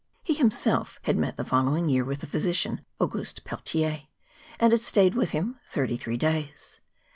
He himself had met the following year with the physician, Auguste Peltier, and had stayed with him twenty three days.